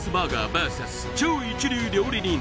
ＶＳ超一流料理人